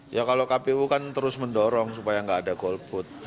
ya kalau kpu kan terus mendorong supaya nggak ada golput